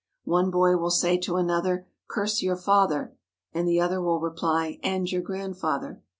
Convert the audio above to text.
One boy will say to another, "Curse your father!" and the other will reply, "And your grandfather!''